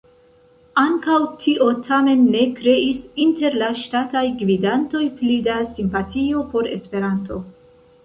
Ankaŭ tio tamen ne kreis inter la ŝtataj gvidantoj pli da simpatio por Esperanto.